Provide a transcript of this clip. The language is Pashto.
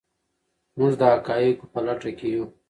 موږ د حقایقو په لټه کې یو.